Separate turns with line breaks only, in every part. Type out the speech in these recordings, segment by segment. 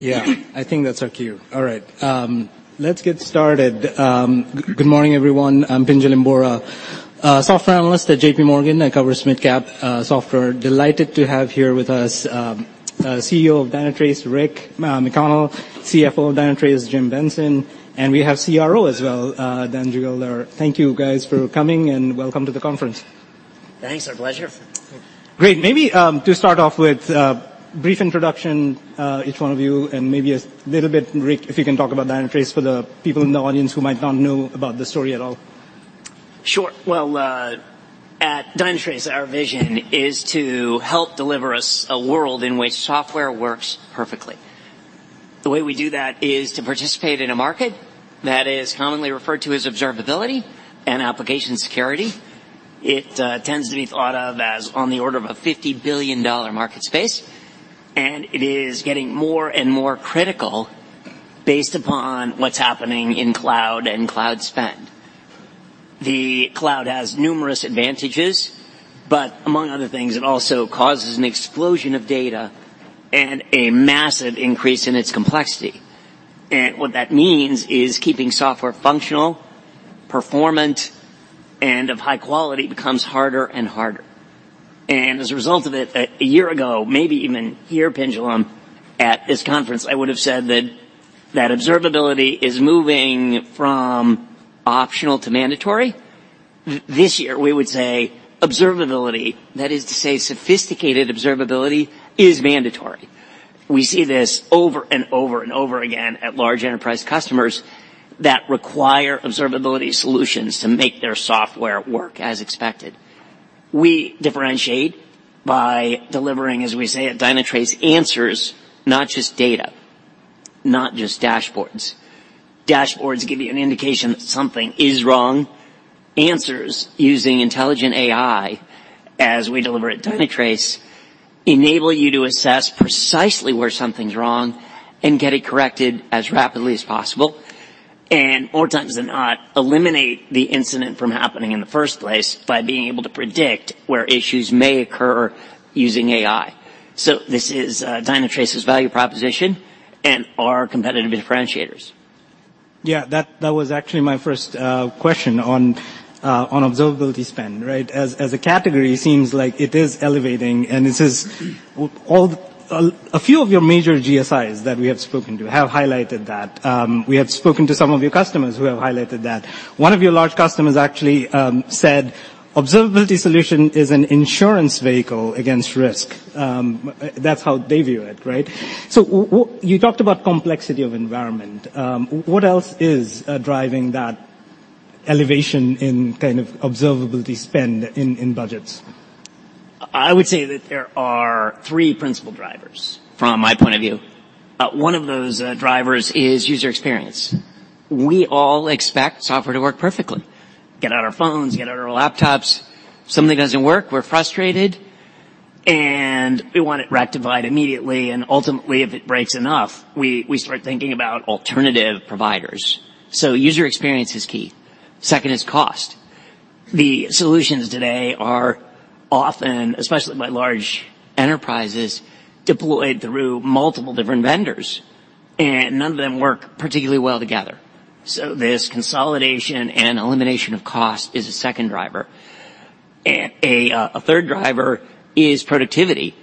Yeah, I think that's our cue. All right, let's get started. Good morning, everyone. I'm Pinjalim Bora, software analyst at J.P. Morgan. I cover mid cap software. Delighted to have here with us, CEO of Dynatrace, Rick McConnell, CFO of Dynatrace, Jim Benson, and we have CRO as well, Dan Zugelder. Thank you, guys, for coming, and welcome to the conference.
Thanks. Our pleasure.
Great. Maybe, to start off with, brief introduction, each one of you, and maybe a little bit, Rick, if you can talk about Dynatrace for the people in the audience who might not know about the story at all.
Sure. Well, at Dynatrace, our vision is to help deliver a world in which software works perfectly. The way we do that is to participate in a market that is commonly referred to as observability and application security. It tends to be thought of as on the order of a $50 billion market space, and it is getting more and more critical based upon what's happening in cloud and cloud spend. The cloud has numerous advantages, but among other things, it also causes an explosion of data and a massive increase in its complexity. And what that means is keeping software functional, performant, and of high quality becomes harder and harder. And as a result of it, a year ago, maybe even your panel at this conference, I would have said that observability is moving from optional to mandatory. This year, we would say observability, that is to say, sophisticated observability, is mandatory. We see this over and over and over again at large enterprise customers that require observability solutions to make their software work as expected. We differentiate by delivering, as we say at Dynatrace, answers, not just data, not just dashboards. Dashboards give you an indication that something is wrong. Answers, using intelligent AI, as we deliver at Dynatrace, enable you to assess precisely where something's wrong and get it corrected as rapidly as possible, and more times than not, eliminate the incident from happening in the first place by being able to predict where issues may occur using AI. So this is Dynatrace's value proposition and our competitive differentiators.
Yeah, that was actually my first question on observability spend, right? As a category, it seems like it is elevating, and this is all the, a few of your major GSIs that we have spoken to have highlighted that. We have spoken to some of your customers who have highlighted that. One of your large customers actually said, "Observability solution is an insurance vehicle against risk." That's how they view it, right? So you talked about complexity of environment. What else is driving that elevation in kind of observability spend in budgets?
I would say that there are three principal drivers, from my point of view. One of those drivers is user experience. We all expect software to work perfectly. Get out our phones, get out our laptops, something doesn't work, we're frustrated, and we want it rectified immediately, and ultimately, if it breaks enough, we, we start thinking about alternative providers. So user experience is key. Second is cost. The solutions today are often, especially by large enterprises, deployed through multiple different vendors, and none of them work particularly well together. So this consolidation and elimination of cost is a second driver. And a third driver is productivity.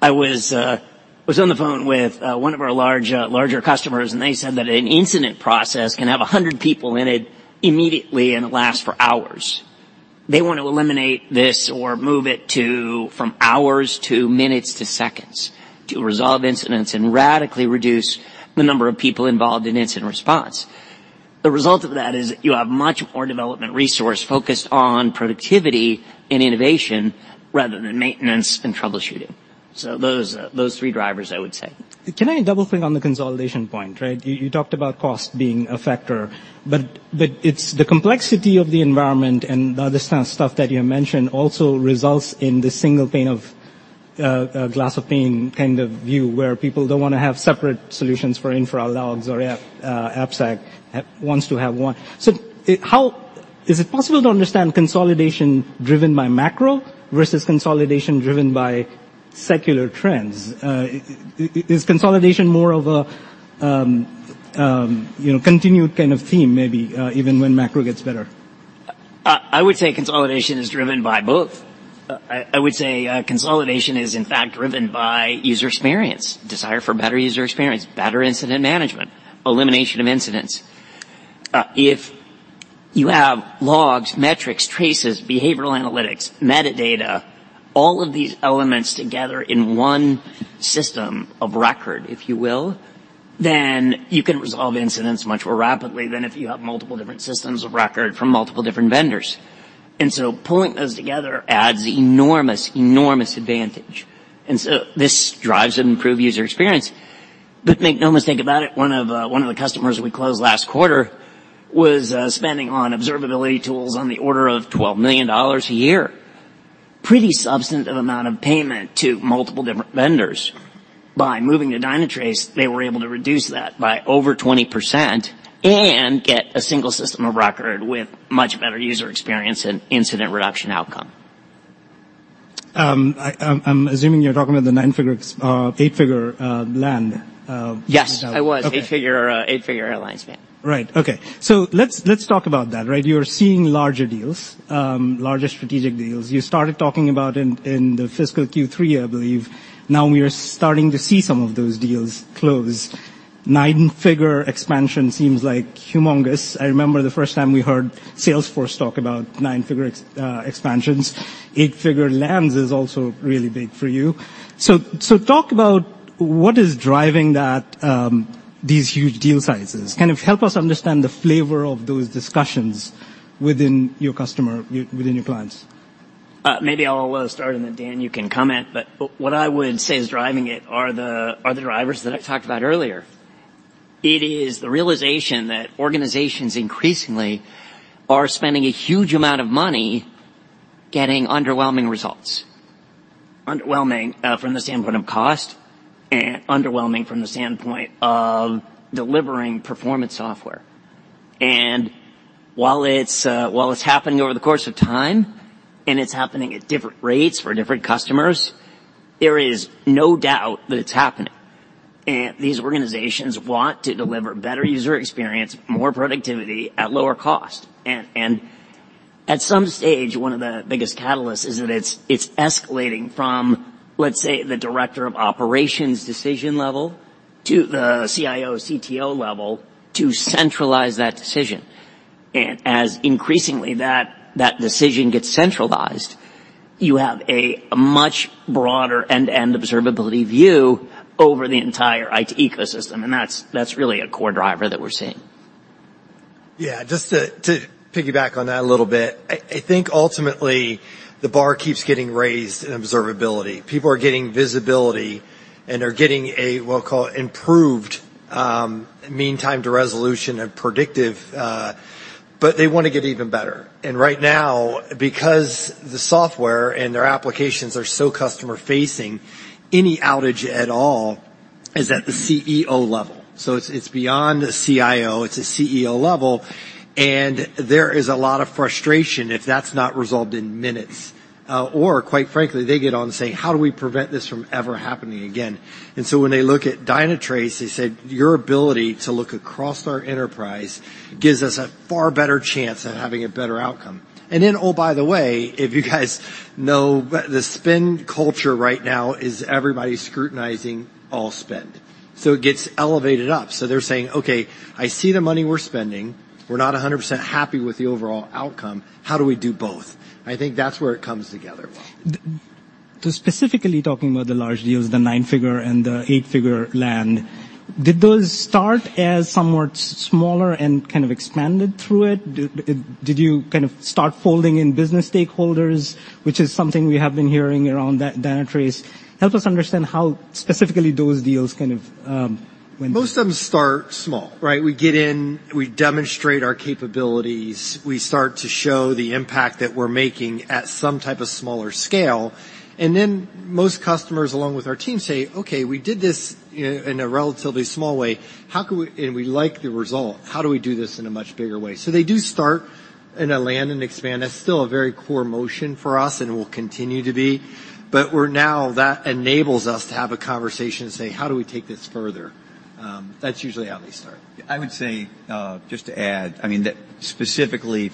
I was, I was on the phone with, one of our large, larger customers, and they said that an incident process can have 100 people in it immediately and last for hours. They want to eliminate this or move it to, from hours to minutes to seconds, to resolve incidents and radically reduce the number of people involved in incident response. The result of that is you have much more development resource focused on productivity and innovation rather than maintenance and troubleshooting. So those, those three drivers, I would say.
Can I double-click on the consolidation point, right? You talked about cost being a factor, but it's the complexity of the environment and the other stuff that you mentioned also results in the single pane of glass kind of view, where people don't wanna have separate solutions for infra logs or AppSec, wants to have one. So, is it possible to understand consolidation driven by macro versus consolidation driven by secular trends? Is consolidation more of a, you know, continued kind of theme, maybe even when macro gets better?
I would say consolidation is driven by both. I would say consolidation is, in fact, driven by user experience, desire for better user experience, better incident management, elimination of incidents. If you have logs, metrics, traces, behavioral analytics, metadata, all of these elements together in one system of record, if you will, then you can resolve incidents much more rapidly than if you have multiple different systems of record from multiple different vendors. And so pulling those together adds enormous, enormous advantage. And so this drives and improve user experience. But make no mistake about it, one of, one of the customers we closed last quarter was spending on observability tools on the order of $12 million a year. Pretty substantive amount of payment to multiple different vendors. By moving to Dynatrace, they were able to reduce that by over 20% and get a single system of record with much better user experience and incident reduction outcome.
I'm assuming you're talking about the nine-figure, eight-figure, land.
Yes, I was.
Okay.
Eight-figure, eight-figure alliance, yeah.
Right. Okay, so let's talk about that, right? You're seeing larger deals, larger strategic deals. You started talking about in the fiscal Q3, I believe. Now we are starting to see some of those deals close. Nine-figure expansion seems like humongous. I remember the first time we heard Salesforce talk about nine-figure expansions. Eight-figure lands is also really big for you. So talk about what is driving that, these huge deal sizes. Kind of help us understand the flavor of those discussions within your customer, within your clients.
Maybe I'll start, and then, Dan, you can comment. But what I would say is driving it are the drivers that I talked about earlier. It is the realization that organizations increasingly are spending a huge amount of money getting underwhelming results. Underwhelming from the standpoint of cost, and underwhelming from the standpoint of delivering performance software. And while it's happening over the course of time, and it's happening at different rates for different customers, there is no doubt that it's happening. And these organizations want to deliver better user experience, more productivity at lower cost. And at some stage, one of the biggest catalysts is that it's escalating from, let's say, the director of operations decision level to the CIO, CTO level, to centralize that decision. And as increasingly that decision gets centralized, you have a much broader end-to-end observability view over the entire IT ecosystem, and that's really a core driver that we're seeing.
Yeah, just to piggyback on that a little bit. I think ultimately, the bar keeps getting raised in observability. People are getting visibility, and they're getting a, we'll call it, improved mean time to resolution and predictive. But they wanna get even better. And right now, because the software and their applications are so customer-facing, any outage at all is at the CEO level. So it's beyond the CIO, it's a CEO level, and there is a lot of frustration if that's not resolved in minutes. Or quite frankly, they get on and say: "How do we prevent this from ever happening again?" And so when they look at Dynatrace, they said, "Your ability to look across our enterprise gives us a far better chance at having a better outcome." And then, oh, by the way, if you guys know, the spend culture right now is everybody's scrutinizing all spend. So it gets elevated up. So they're saying: "Okay, I see the money we're spending. We're not 100% happy with the overall outcome. How do we do both?" I think that's where it comes together well.
Specifically talking about the large deals, the nine-figure and the eight-figure land, did those start as somewhat smaller and kind of expanded through it? Did you kind of start folding in business stakeholders, which is something we have been hearing around that Dynatrace? Help us understand how specifically those deals kind of went.
Most of them start small, right? We get in, we demonstrate our capabilities, we start to show the impact that we're making at some type of smaller scale. And then most customers, along with our team, say, "Okay, we did this in a relatively small way. How can we, and we like the result. How do we do this in a much bigger way?" So they do start in a land and expand. That's still a very core motion for us and will continue to be, but we're now, that enables us to have a conversation and say: "How do we take this further?" That's usually how they start.
I would say, just to add, I mean, that specifically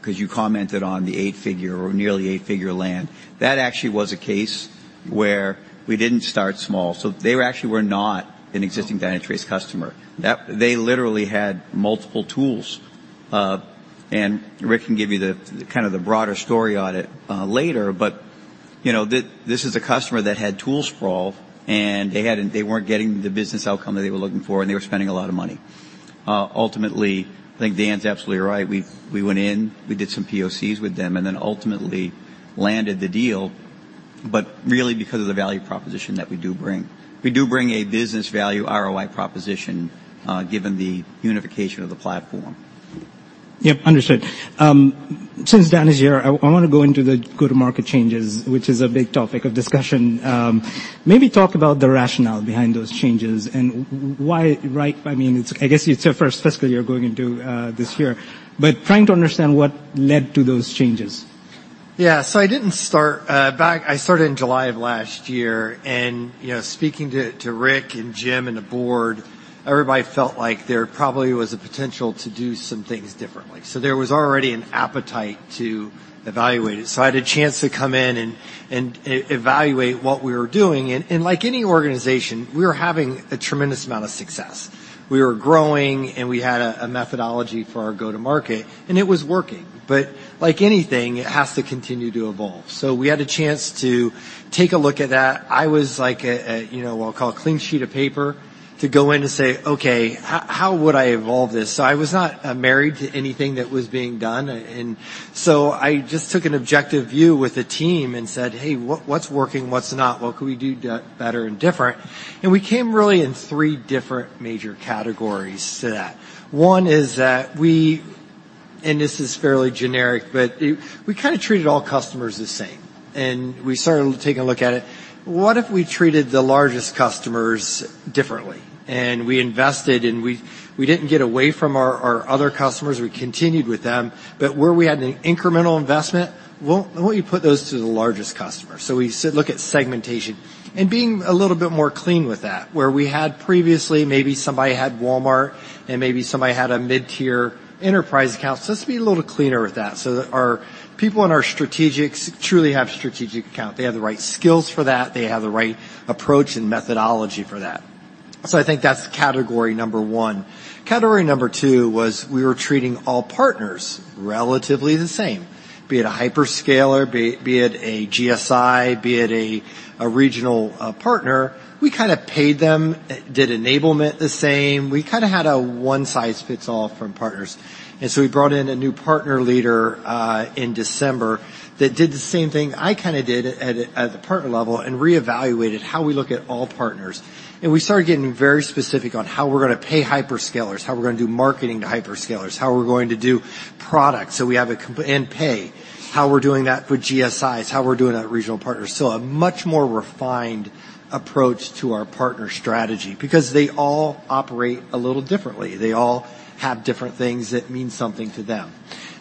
'cause you commented on the 8-figure or nearly 8-figure land, that actually was a case where we didn't start small. So they actually were not an existing Dynatrace customer. They literally had multiple tools. And Rick can give you the kind of the broader story on it later, but you know, this is a customer that had tool sprawl, and they hadn't, they weren't getting the business outcome that they were looking for, and they were spending a lot of money. Ultimately, I think Dan's absolutely right. We went in, we did some POCs with them, and then ultimately landed the deal, but really because of the value proposition that we do bring. We do bring a business value ROI proposition, given the unification of the platform.
Yep, understood. Since Dan is here, I wanna go into the go-to-market changes, which is a big topic of discussion. Maybe talk about the rationale behind those changes and why, right. I mean, it's your first fiscal year going into this year, but trying to understand what led to those changes.
Yeah. So I didn't start. I started in July of last year, and, you know, speaking to Rick and Jim and the board, everybody felt like there probably was a potential to do some things differently. So there was already an appetite to evaluate it. So I had a chance to come in and evaluate what we were doing. And like any organization, we were having a tremendous amount of success. We were growing, and we had a methodology for our go-to-market, and it was working. But like anything, it has to continue to evolve. So we had a chance to take a look at that. I was like, you know, what I'll call a clean sheet of paper, to go in and say: "Okay, how would I evolve this?" So I was not married to anything that was being done. And so I just took an objective view with the team and said: "Hey, what's working? What's not? What can we do better and different?" And we came really in three different major categories to that. One is that and this is fairly generic, but we kind of treated all customers the same, and we started taking a look at it. What if we treated the largest customers differently? And we invested, and we didn't get away from our other customers, we continued with them, but where we had an incremental investment, well, why don't you put those to the largest customer? So we said, "Look at segmentation," and being a little bit more clean with that, where we had previously, maybe somebody had Walmart and maybe somebody had a mid-tier enterprise account. So let's be a little cleaner with that, so that our people in our strategics truly have strategic account. They have the right skills for that; they have the right approach and methodology for that. So I think that's category number one. Category number two was we were treating all partners relatively the same, be it a hyperscaler, be it a GSI, be it a regional partner. We kinda paid them, did enablement the same. We kinda had a one-size-fits-all from partners. And so we brought in a new partner leader in December that did the same thing I kinda did at the partner level, and reevaluated how we look at all partners. And we started getting very specific on how we're gonna pay hyperscalers, how we're gonna do marketing to hyperscalers, how we're going to do product, so we have a com- and pay, how we're doing that with GSIs, how we're doing that with regional partners. So a much more refined approach to our partner strategy because they all operate a little differently. They all have different things that mean something to them.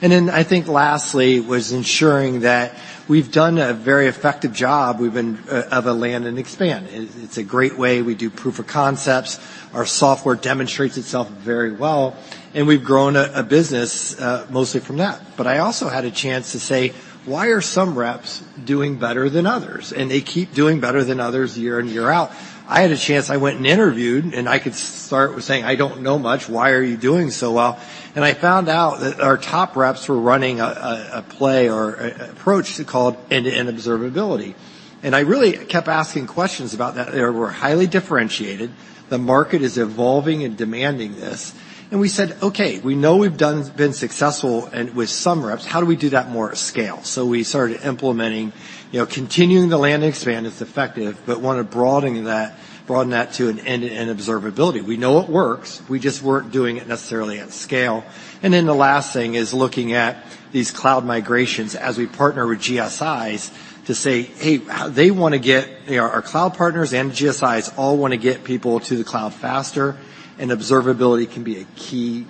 And then, I think lastly, was ensuring that we've done a very effective job. We've been of a land and expand. It's a great way. We do proof of concepts. Our software demonstrates itself very well, and we've grown a business mostly from that. But I also had a chance to say: Why are some reps doing better than others? And they keep doing better than others year in, year out. I had a chance. I went and interviewed, and I could start with saying, "I don't know much. Why are you doing so well?" I found out that our top reps were running a play or an approach to sell end-to-end observability. I really kept asking questions about that. They were highly differentiated. The market is evolving and demanding this, and we said, "Okay, we know we've been successful with some reps. How do we do that more at scale?" So we started implementing, you know, continuing the land expand. It's effective, but we wanted to broaden that to end-to-end observability. We know it works. We just weren't doing it necessarily at scale. Then the last thing is looking at these cloud migrations as we partner with GSIs to say, "Hey, they wanna get." Our cloud partners and GSIs all wanna get people to the cloud faster, and observability can be a key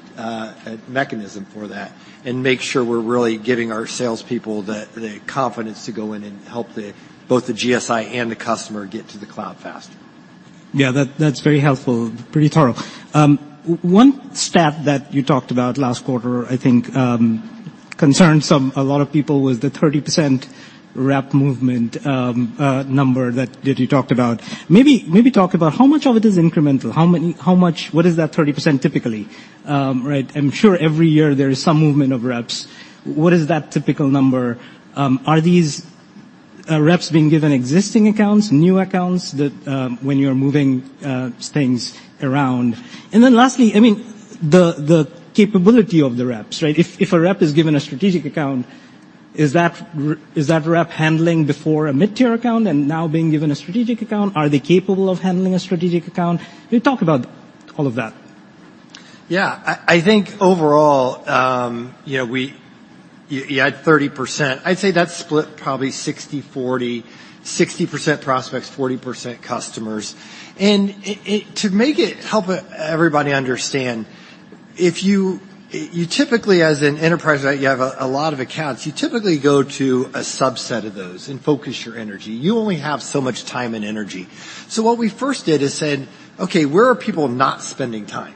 mechanism for that, and make sure we're really giving our salespeople the confidence to go in and help both the GSI and the customer get to the cloud faster.
Yeah, that, that's very helpful, pretty thorough. One stat that you talked about last quarter, I think, concerned some, a lot of people, was the 30% rep movement, number that, that you talked about. Maybe, maybe talk about how much of it is incremental? How much- what is that 30% typically? Right, I'm sure every year there is some movement of reps. What is that typical number? Are these, reps being given existing accounts, new accounts, that, when you're moving, things around? And then lastly, I mean, the capability of the reps, right? If a rep is given a strategic account, is that rep handling before a mid-tier account and now being given a strategic account? Are they capable of handling a strategic account? Can you talk about all of that?
Yeah. I think overall, you know, we. You had 30%. I'd say that's split probably 60/40, 60% prospects, 40% customers. And to make it help everybody understand, if you typically, as an enterprise, you have a lot of accounts, you typically go to a subset of those and focus your energy. You only have so much time and energy. So, what we first did is said: Okay, where are people not spending time?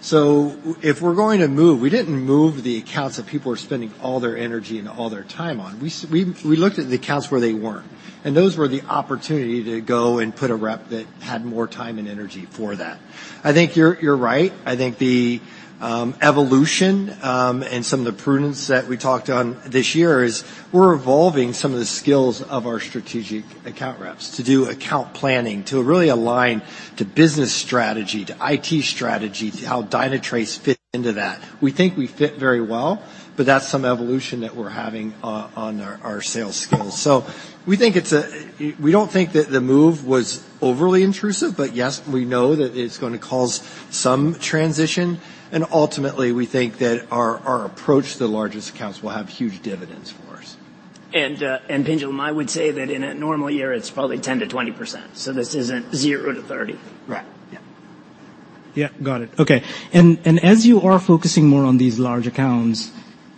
So, if we're going to move. We didn't move the accounts that people are spending all their energy and all their time on. We looked at the accounts where they weren't, and those were the opportunity to go and put a rep that had more time and energy for that. I think you're right. I think the evolution and some of the prongs that we talked on this year is we're evolving some of the skills of our strategic account reps to do account planning, to really align to business strategy, to IT strategy, to how Dynatrace fit into that. We think we fit very well, but that's some evolution that we're having on our sales skills. So we think it's we don't think that the move was overly intrusive, but yes, we know that it's gonna cause some transition, and ultimately, we think that our approach to the largest accounts will have huge dividends for us.
And, and Pinjalim, I would say that in a normal year, it's probably 10%-20%, so this isn't 0%-30%.
Right. Yeah.
Yeah. Got it. Okay. And as you are focusing more on these large accounts,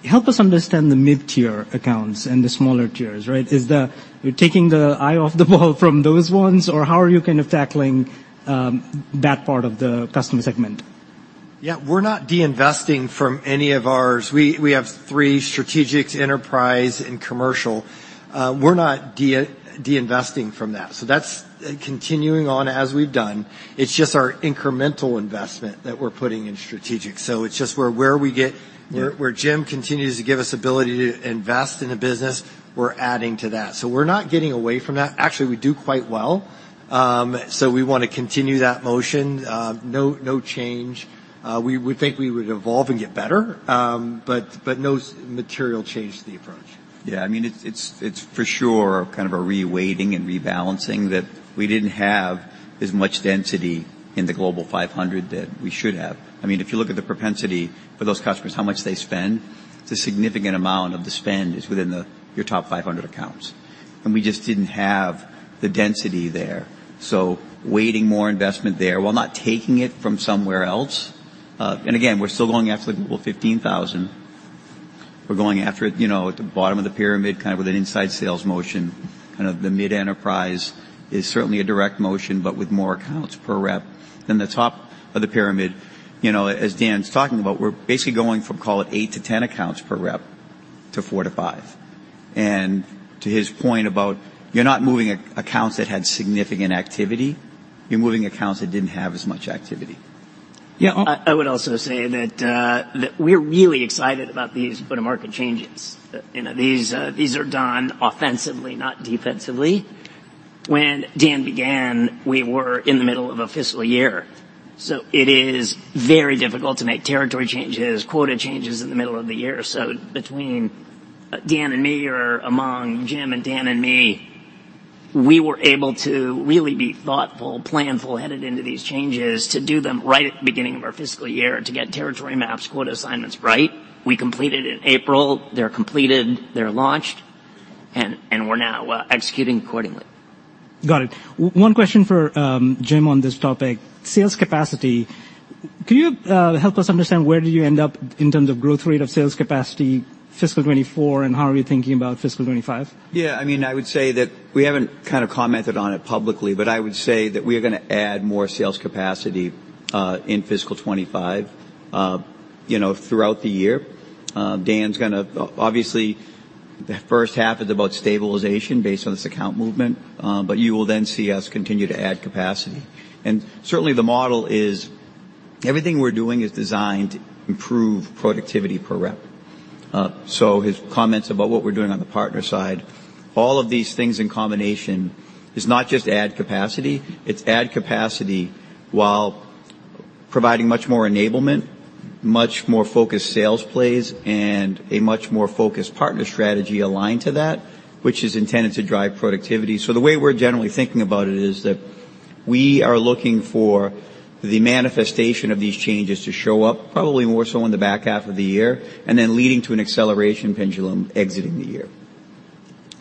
help us understand the mid-tier accounts and the smaller tiers, right? Are you taking the eye off the ball from those ones, or how are you kind of tackling that part of the customer segment?
Yeah, we're not deinvesting from any of ours. We have three strategics: enterprise and commercial. We're not deinvesting from that. So that's continuing on as we've done. It's just our incremental investment that we're putting in strategic. So it's just where we get. Where, where Jim continues to give us ability to invest in the business, we're adding to that. So we're not getting away from that. Actually, we do quite well. So we wanna continue that motion, no, no change. We would think we would evolve and get better, but, but no material change to the approach.
Yeah, I mean, it's for sure kind of a reweighting and rebalancing that we didn't have as much density in the Global 500 that we should have. I mean, if you look at the propensity for those customers, how much they spend. It's a significant amount of the spend within the your top 500 accounts, and we just didn't have the density there. So weighting more investment there, while not taking it from somewhere else, and again, we're still going after the 15,000. We're going after it, you know, at the bottom of the pyramid, kind of with an inside sales motion. Kind of the mid-enterprise is certainly a direct motion, but with more accounts per rep. Then the top of the pyramid, you know, as Dan's talking about, we're basically going from, call it, 8-10 accounts per rep to 4-5. And to his point about you're not moving accounts that had significant activity, you're moving accounts that didn't have as much activity.
Yeah, I would also say that that we're really excited about these go-to-market changes. You know, these are done offensively, not defensively. When Dan began, we were in the middle of a fiscal year, so it is very difficult to make territory changes, quota changes in the middle of the year. So between Dan and me, or among Jim and Dan and me, we were able to really be thoughtful, planful, headed into these changes, to do them right at the beginning of our fiscal year, to get territory maps, quota assignments right. We completed in April. They're completed, they're launched, and we're now executing accordingly.
Got it. One question for Jim, on this topic. Sales capacity, can you help us understand where do you end up in terms of growth rate of sales capacity, fiscal 2024, and how are you thinking about fiscal 2025?
Yeah, I mean, I would say that we haven't kind of commented on it publicly, but I would say that we are gonna add more sales capacity in fiscal 25, you know, throughout the year. Dan's gonna, obviously, the first half is about stabilization based on this account movement, but you will then see us continue to add capacity. And certainly, the model is everything we're doing is designed to improve productivity per rep. So his comments about what we're doing on the partner side, all of these things in combination is not just add capacity, it's add capacity while providing much more enablement, much more focused sales plays, and a much more focused partner strategy aligned to that, which is intended to drive productivity. The way we're generally thinking about it is that we are looking for the manifestation of these changes to show up, probably more so in the back half of the year, and then leading to an acceleration Pinjalim exiting the year.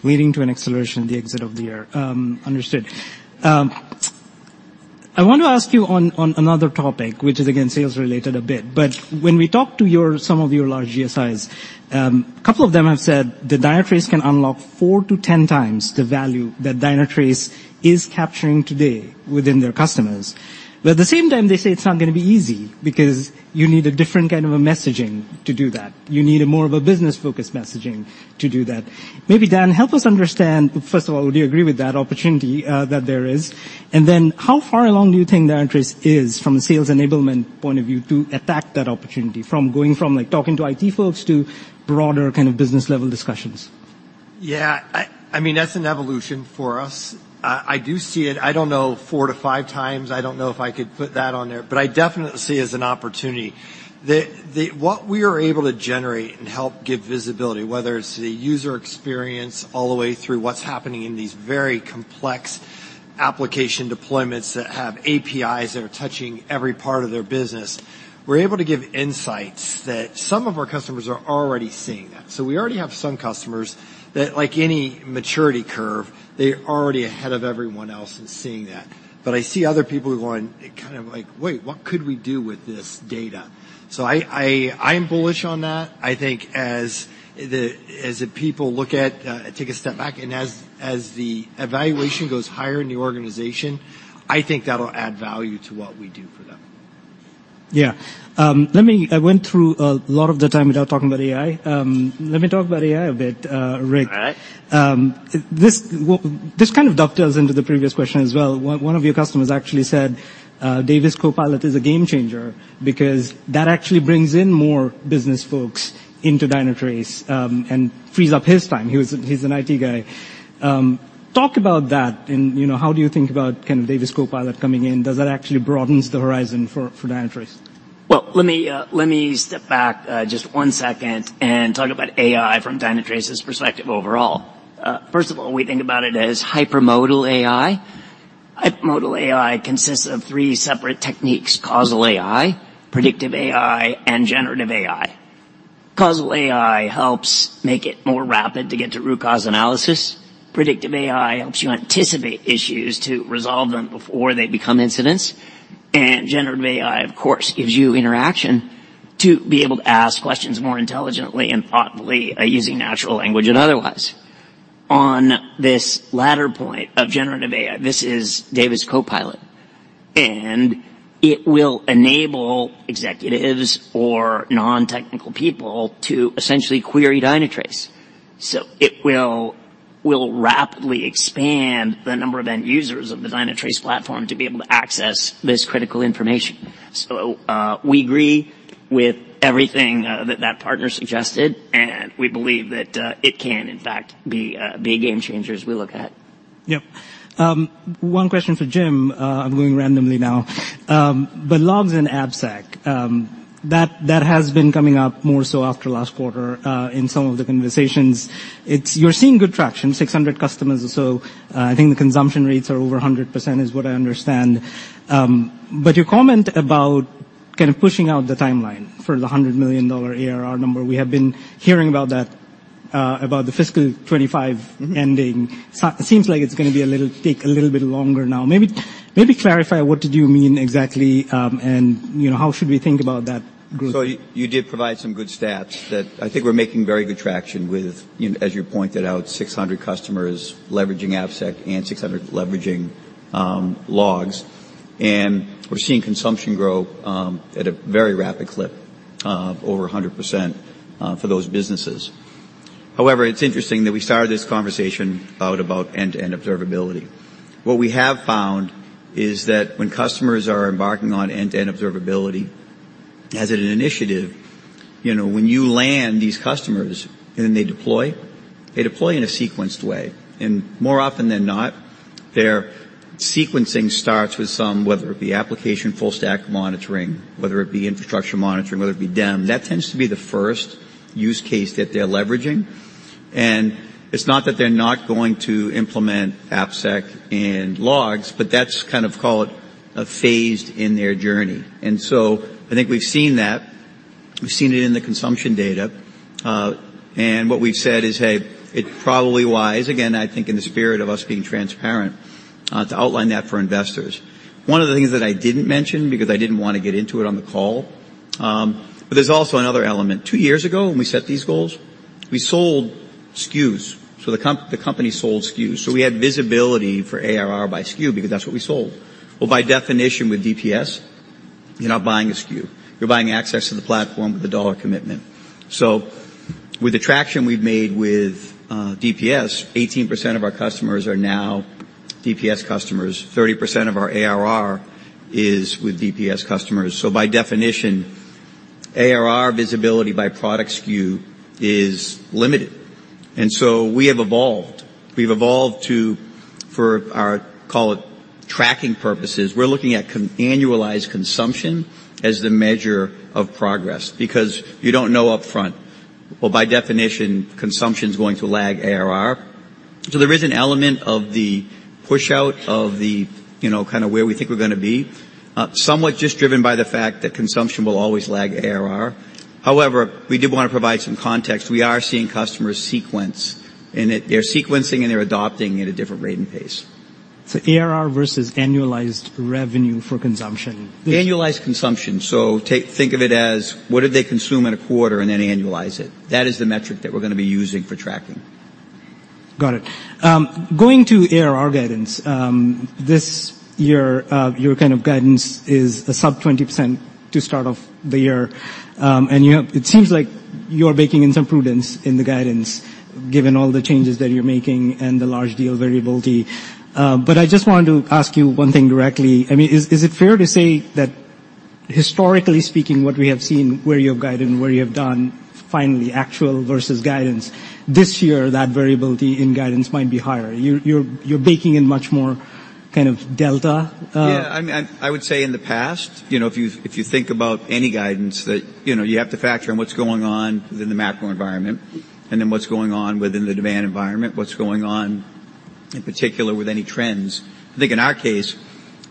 Leading to an acceleration, the exit of the year. Understood. I want to ask you on, on another topic, which is, again, sales related a bit, but when we talk to your, some of your large GSIs, a couple of them have said that Dynatrace can unlock 4x-10x the value that Dynatrace is capturing today within their customers. But at the same time, they say it's not gonna be easy because you need a different kind of a messaging to do that. You need a more of a business-focused messaging to do that. Maybe, Dan, help us understand, first of all, would you agree with that opportunity, that there is? And then how far along do you think Dynatrace is, from a sales enablement point of view, to attack that opportunity, from going from, like, talking to IT folks to broader kind of business-level discussions?
Yeah, I, I mean, that's an evolution for us. I, I do see it, I don't know, 4-5 times. I don't know if I could put that on there, but I definitely see it as an opportunity. The, the, what we are able to generate and help give visibility, whether it's the user experience all the way through what's happening in these very complex application deployments that have APIs that are touching every part of their business, we're able to give insights that some of our customers are already seeing that. So we already have some customers that, like any maturity curve, they're already ahead of everyone else in seeing that. But I see other people who are going kind of like: "Wait, what could we do with this data?" So I, I, I'm bullish on that. I think as the people look at, take a step back, and as the evaluation goes higher in the organization, I think that'll add value to what we do for them.
Yeah. I went through a lot of the time without talking about AI. Let me talk about AI a bit, Rick.
All right.
This, well, this kind of dovetails into the previous question as well. One of your customers actually said, Davis CoPilot is a game changer because that actually brings in more business folks into Dynatrace, and frees up his time. He's an IT guy. Talk about that and, you know, how do you think about kind of Davis CoPilot coming in? Does that actually broaden the horizon for Dynatrace?
Well, let me, let me step back, just one second and talk about AI from Dynatrace's perspective overall. First of all, we think about it as Hypermodal AI. Hypermodal AI consists of three separate techniques: Causal AI, Predictive AI, and Generative AI. Causal AI helps make it more rapid to get to root cause analysis. Predictive AI helps you anticipate issues to resolve them before they become incidents. And Generative AI, of course, gives you interaction to be able to ask questions more intelligently and thoughtfully, using natural language and otherwise. On this latter point of Generative AI, this is Davis CoPilot, and it will enable executives or non-technical people to essentially query Dynatrace. So it will rapidly expand the number of end users of the Dynatrace platform to be able to access this critical information. We agree with everything that that partner suggested, and we believe that it can in fact be a game changer as we look ahead.
Yep. One question for Jim, I'm going randomly now, but logs and AppSec, that has been coming up more so after last quarter, in some of the conversations. It's. You're seeing good traction, 600 customers or so. I think the consumption rates are over 100%, is what I understand. But your comment about kind of pushing out the timeline for the $100 million ARR number, we have been hearing about that about the fiscal 2025 ending, seems like it's gonna be a little, take a little bit longer now. Maybe clarify what did you mean exactly, and, you know, how should we think about that group?
So you did provide some good stats that I think we're making very good traction with, you know, as you pointed out, 600 customers leveraging AppSec and 600 leveraging logs. And we're seeing consumption grow at a very rapid clip of over 100%, for those businesses. However, it's interesting that we started this conversation out about end-to-end observability. What we have found is that when customers are embarking on end-to-end observability as an initiative, you know, when you land these customers and then they deploy, they deploy in a sequenced way, and more often than not, their sequencing starts with some, whether it be application, full stack monitoring, whether it be infrastructure monitoring, whether it be DEM. That tends to be the first use case that they're leveraging, and it's not that they're not going to implement AppSec and logs, but that's kind of, call it, a phase in their journey. And so I think we've seen that. We've seen it in the consumption data, and what we've said is, hey, it's probably wise, again, I think in the spirit of us being transparent, to outline that for investors. One of the things that I didn't mention, because I didn't want to get into it on the call, but there's also another element. Two years ago, when we set these goals, we sold SKUs. So the company sold SKUs, so we had visibility for ARR by SKU because that's what we sold. Well, by definition, with DPS, you're not buying a SKU, you're buying access to the platform with a dollar commitment. So with the traction we've made with DPS, 18% of our customers are now DPS customers. 30% of our ARR is with DPS customers. So by definition, ARR visibility by product SKU is limited, and so we have evolved. We've evolved to, for our, call it, tracking purposes, we're looking at annualized consumption as the measure of progress because you don't know upfront. Well, by definition, consumption is going to lag ARR. So there is an element of the push out of the, you know, kind of where we think we're gonna be, somewhat just driven by the fact that consumption will always lag ARR. However, we do want to provide some context. We are seeing customers sequence, and they're sequencing, and they're adopting at a different rate and pace.
So ARR versus annualized revenue for consumption?
Annualized consumption. So think of it as what did they consume in a quarter, and then annualize it. That is the metric that we're gonna be using for tracking.
Got it. Going to ARR guidance, this year, your kind of guidance is a sub 20% to start off the year. And you have it seems like you're baking in some prudence in the guidance, given all the changes that you're making and the large deal variability. But I just wanted to ask you one thing directly. I mean, is it fair to say that historically speaking, what we have seen, where you have guided and where you have done, finally, actual versus guidance, this year, that variability in guidance might be higher? You're baking in much more kind of delta.
Yeah, I mean, I would say in the past, you know, if you, if you think about any guidance that, you know, you have to factor in what's going on within the macro environment and then what's going on within the demand environment, what's going on, in particular, with any trends. I think in our case,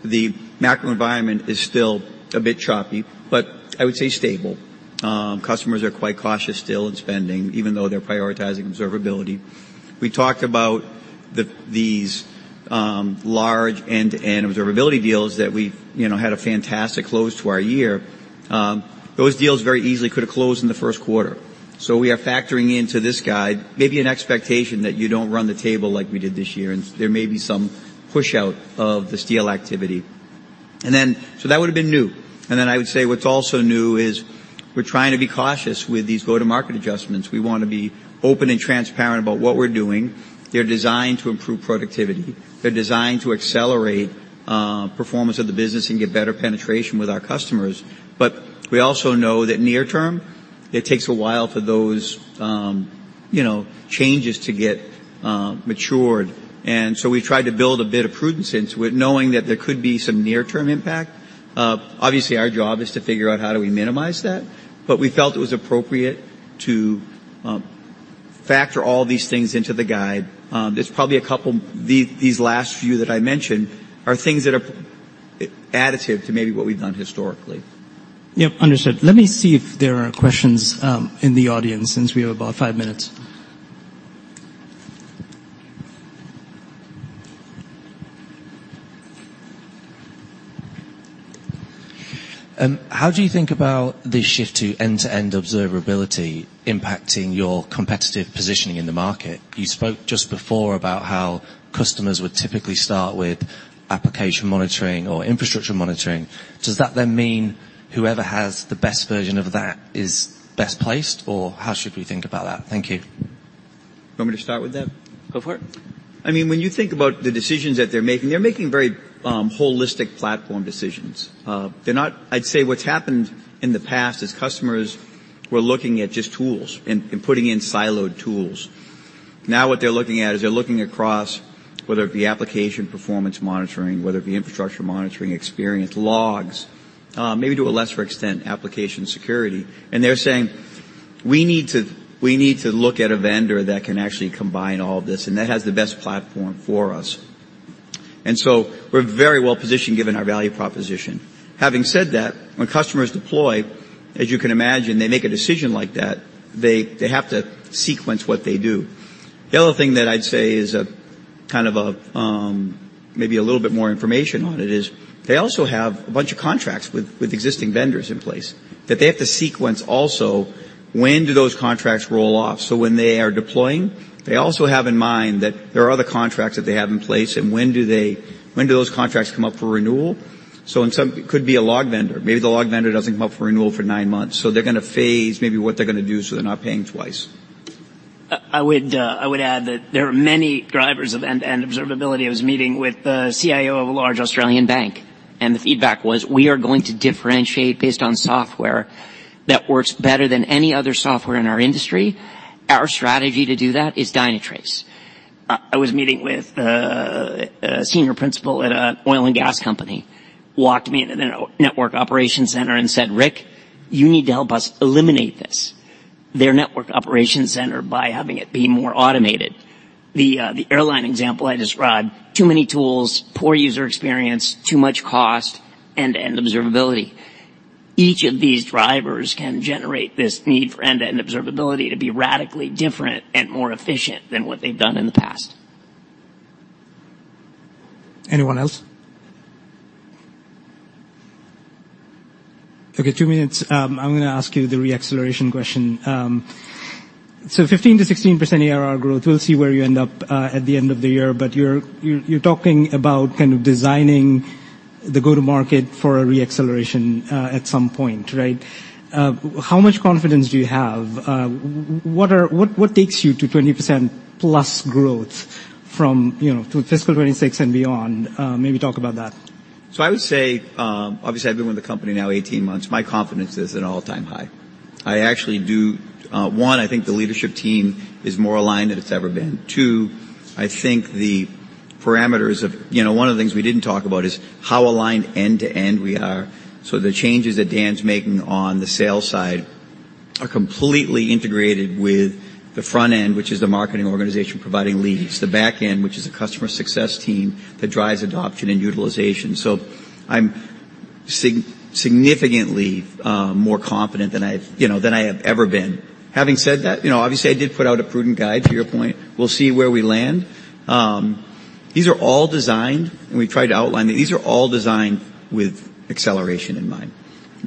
the macro environment is still a bit choppy, but I would say stable. Customers are quite cautious still in spending, even though they're prioritizing observability. We talked about the, these, large end-to-end observability deals that we've, you know, had a fantastic close to our year. Those deals very easily could have closed in the first quarter. So we are factoring into this guide, maybe an expectation that you don't run the table like we did this year, and there may be some push out of this deal activity. And then, so that would have been new. And then I would say what's also new is we're trying to be cautious with these go-to-market adjustments. We want to be open and transparent about what we're doing. They're designed to improve productivity. They're designed to accelerate performance of the business and get better penetration with our customers. But we also know that near term, it takes a while for those, you know, changes to get matured. And so we tried to build a bit of prudence into it, knowing that there could be some near-term impact. Obviously, our job is to figure out how do we minimize that, but we felt it was appropriate to factor all these things into the guide. There's probably a couple. These last few that I mentioned are things that are additive to maybe what we've done historically.
Yep, understood. Let me see if there are questions in the audience, since we have about five minutes.
How do you think about the shift to end-to-end observability impacting your competitive positioning in the market? You spoke just before about how customers would typically start with application monitoring or infrastructure monitoring. Does that then mean whoever has the best version of that is best placed, or how should we think about that? Thank you.
You want me to start with that?
Go for it.
I mean, when you think about the decisions that they're making, they're making very, holistic platform decisions. They're not. I'd say what's happened in the past is customers were looking at just tools and, and putting in siloed tools. Now, what they're looking at is they're looking across, whether it be application performance monitoring, whether it be infrastructure monitoring, experience logs, maybe to a lesser extent, application security. And they're saying, "We need to, we need to look at a vendor that can actually combine all of this, and that has the best platform for us.". And so we're very well positioned, given our value proposition. Having said that, when customers deploy, as you can imagine, they make a decision like that, they, they have to sequence what they do. The other thing that I'd say is a kind of a, maybe a little bit more information on it, is they also have a bunch of contracts with existing vendors in place, that they have to sequence also, when do those contracts roll off? So when they are deploying, they also have in mind that there are other contracts that they have in place, and when do those contracts come up for renewal? So in some, it could be a log vendor. Maybe the log vendor doesn't come up for renewal for nine months, so they're gonna phase maybe what they're gonna do, so they're not paying twice.
I would add that there are many drivers of end-to-end observability. I was meeting with the CIO of a large Australian bank, and the feedback was, "We are going to differentiate based on software that works better than any other software in our industry. Our strategy to do that is Dynatrace." I was meeting with a senior principal at an oil and gas company, walked me into the network operations center and said, "Rick, you need to help us eliminate this," their network operations center, by having it be more automated. The airline example I described, too many tools, poor user experience, too much cost, end-to-end observability. Each of these drivers can generate this need for end-to-end observability to be radically different and more efficient than what they've done in the past.
Anyone else? Okay, two minutes. I'm gonna ask you the re-acceleration question. So, 15%-16% ARR growth, we'll see where you end up at the end of the year, but you're, you're talking about kind of designing the go-to-market for a re-acceleration at some point, right? How much confidence do you have? What takes you to 20%+ growth from, you know, to fiscal 2026 and beyond? Maybe talk about that.
So I would say, obviously, I've been with the company now 18 months. My confidence is at an all-time high. I actually do. One, I think the leadership team is more aligned than it's ever been. Two, I think the parameters of you know, one of the things we didn't talk about is how aligned end-to-end we are. So the changes that Dan's making on the sales side are completely integrated with the front end, which is the marketing organization providing leads, the back end, which is the customer success team that drives adoption and utilization. So I'm significantly more confident than I've, you know, than I have ever been. Having said that, you know, obviously, I did put out a prudent guide, to your point. We'll see where we land. These are all designed, and we tried to outline them. These are all designed with acceleration in mind.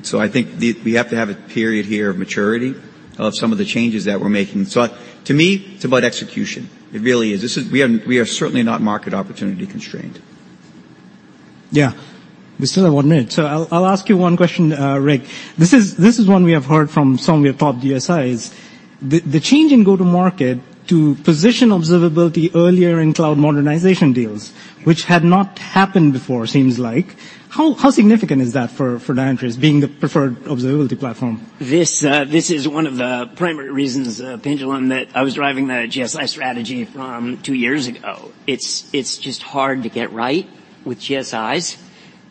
So I think we have to have a period here of maturity of some of the changes that we're making. So to me, it's about execution. It really is. This is we are certainly not market opportunity constrained.
Yeah. We still have one minute, so I'll ask you one question, Rick. This is one we have heard from some of your top GSIs. The change in go-to-market to position observability earlier in cloud modernization deals, which had not happened before, seems like. How significant is that for Dynatrace being the preferred observability platform?
This, this is one of the primary reasons, Pinjalim, that I was driving the GSI strategy, two years ago. It's just hard to get right with GSIs.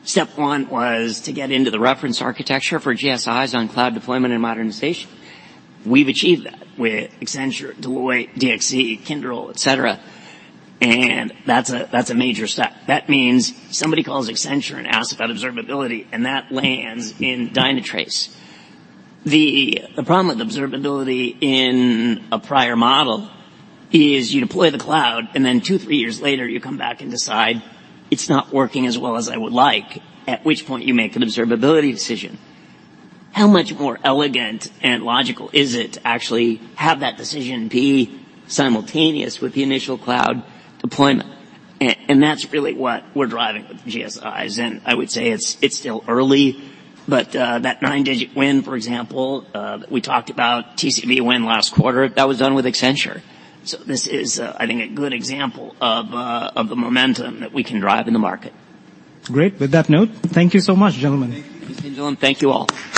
Step one was to get into the reference architecture for GSIs on cloud deployment and modernization. We've achieved that with Accenture, Deloitte, DXC, Kyndryl, et cetera, and that's a major step. That means somebody calls Accenture and asks about observability, and that lands in Dynatrace. The problem with observability in a prior model is you deploy the cloud, and then 2-3 years later, you come back and decide it's not working as well as I would like, at which point you make an observability decision. How much more elegant and logical is it to actually have that decision be simultaneous with the initial cloud deployment? That's really what we're driving with GSIs, and I would say it's still early, but that nine-digit win, for example, we talked about TCV win last quarter, that was done with Accenture. So this is, I think, a good example of the momentum that we can drive in the market.
Great! With that note, thank you so much, gentlemen.
Thank you.
Thank you, Pinjalim. Thank you all.